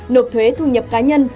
nộp thuế thu nhập cá nhân